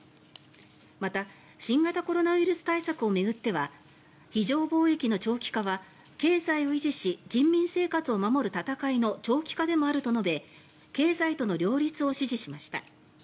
また、新型コロナウイルス対策を巡っては非常防疫の長期化は経済を維持し人民生活を守る闘いの長期化でもあると述べ経済との両立を指示しました。